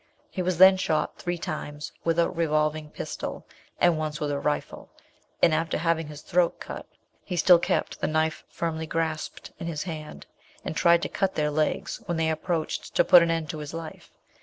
He was then shot three times with a revolving pistol, and once with a rifle, and after having his throat cut, he still kept the knife firmly grasped in his hand, and tried to cut their legs when they approached to put an end to his life.